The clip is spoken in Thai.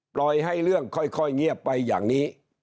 ปล่อยให้เรื่องค่อยเงียบไปอย่างนี้